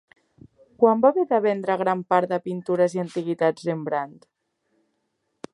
Quan va haver de vendre gran part de pintures i antiguitats Rembrandt?